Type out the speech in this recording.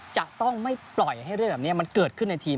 จะต้องไม่ปล่อยให้เรื่องแบบนี้มันเกิดขึ้นในทีม